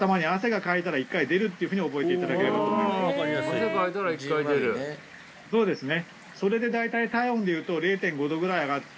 汗かいたら１回出るそうですね